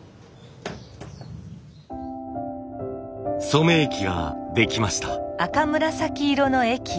染め液ができました。